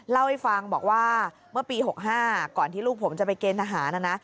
เล่าให้ฟังบอกว่าเมื่อปี๖๕ก่อนที่ลูกผมจะไปเกณฑหารนะนะ